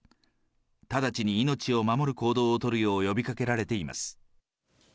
直ちに命を守る行動を取るよう呼びかけられています。